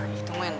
nah itu men